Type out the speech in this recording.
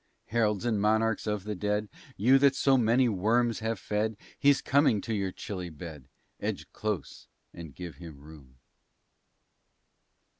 Heralds and monarchs of the dead, You that so many worms have fed, He's coming to your chilly bed, Edge close and give him room.